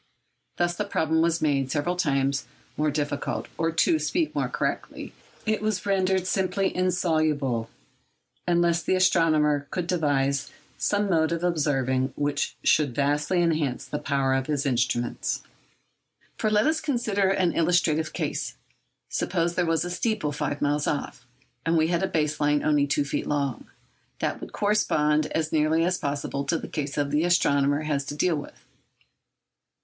Thus the problem was made several hundred times more difficult—or, to speak more correctly, it was rendered simply insoluble unless the astronomer could devise some mode of observing which should vastly enhance the power of his instruments. For let us consider an illustrative case. Suppose there was a steeple five miles off, and we had a base line only two feet long. That would correspond as nearly as possible to the case the astronomer has to deal with.